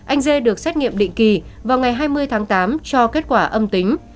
anh dê được xét nghiệm định kỳ vào ngày hai mươi tháng tám cho kết quả âm tính